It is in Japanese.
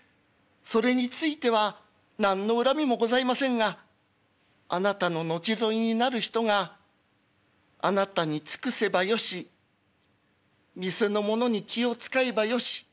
それについては何の恨みもございませんがあなたの後添いになる人があなたに尽くせばよし店の者に気を遣えばよし。